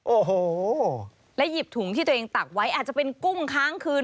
โอ้โหและหยิบถุงที่ตัวเองตักไว้อาจจะเป็นกุ้งค้างคืน